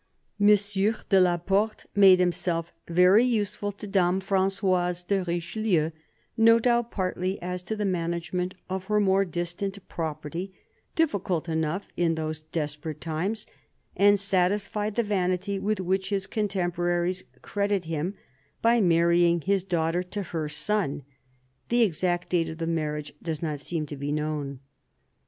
M. de la Porte made himself very useful to Dame Frangoise de Richelieu, no doubt partly as to the management of her more distant property, difficult enough in those desperate times, and satisfied the vanity with which his contempo raries credit him by marrying his daughter to her son. The exact date of the marriage does not seem to be known.